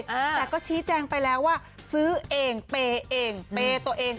แต่ก็ชี้แจงไปแล้วว่าซื้อเองเปย์เองเปย์ตัวเอง